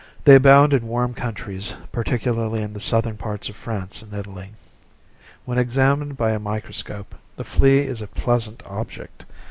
They abound in warm coun tries, particularly in the southern parts of France and Italy. When examined by a micros cope, the flea is a pleasant ob ject.